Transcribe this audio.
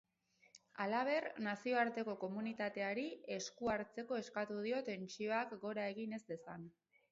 Halaber, nazioarteko komunitateari esku hartzeko eskatu dio tentsioak gora egin ez dezan.